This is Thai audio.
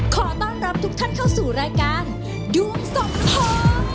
ขอต้อนรับทุกท่านเข้าสู่รายการดวงสองท้อง